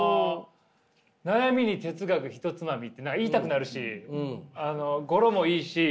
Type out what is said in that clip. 「悩みに哲学ひとつまみ」って言いたくなるし語呂もいいし。